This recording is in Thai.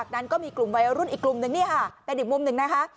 นั้นก็มีกลุ่มวัยรุ่นอีกกลุ่มนึงนี่ค่ะเป็นอีกมุมหนึ่งนะคะ